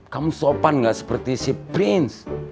kamu sopan gak seperti si prince